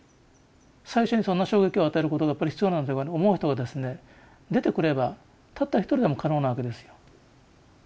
最初にそんな衝撃を与えることがやっぱり必要なんだって思う人がですね出てくればたった一人でも可能なわけですよ。